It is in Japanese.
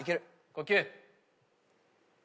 呼吸！